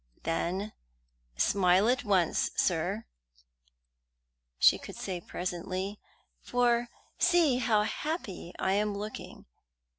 "Then smile at once, sir," she could say presently, "for see how happy I am looking."